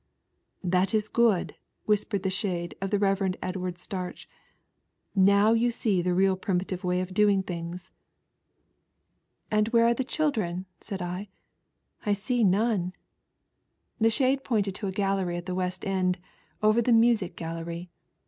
"That is good," whispered the shade of the Re\. Edward Starch, '' now you see the real primitive way of doing things." "And where are the children?" said I, "I see none." The shade pointed to a gallery at the west end, over the music gallery.